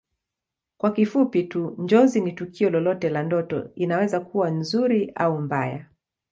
Kwa kifupi tu Njozi ni tukio lolote la ndoto inaweza kuwa nzuri au mbaya